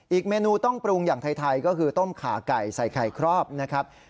เมนูต้องปรุงอย่างไทยก็คือต้มขาไก่ใส่ไข่ครอบนะครับ